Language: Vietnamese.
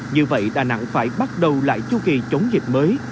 như vậy đà nẵng phải bắt đầu lại chu kỳ chống dịch mới